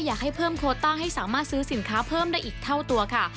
อยากให้เพิ่มโคต้าให้สามารถซื้อสินค้าเพิ่มได้อีกเท่าตัวค่ะ